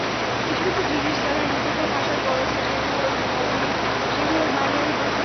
কিছু কিছু জিনিস তারা নিজেদের ভাষায় বলেছে, সেগুলোর মানে আমি বুঝিনি।